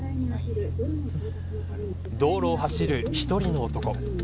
道路を走る一人の男。